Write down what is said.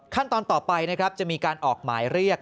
ขั้นตอนต่อไปนะครับจะมีการออกหมายเรียก